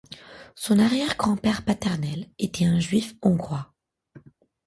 Son arrière-grand-père paternel était un juif hongrois.